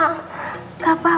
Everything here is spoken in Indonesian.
kak papa mbak anjir